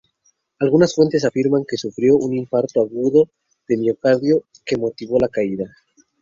Algunas fuentes afirman que sufrió un infarto agudo de miocardio que motivó la caída.